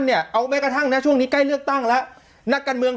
เนี่ยเอาแม้กระทั่งนะช่วงนี้ใกล้เลือกตั้งแล้วนักการเมือง